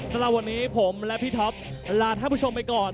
สำหรับวันนี้ผมและพี่ท็อปลาท่านผู้ชมไปก่อน